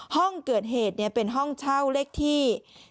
ห้องเกิดเหตุเป็นห้องเช่าเลขที่